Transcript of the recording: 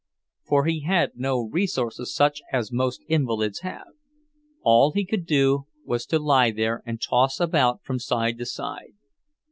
For he had no resources such as most invalids have; all he could do was to lie there and toss about from side to side.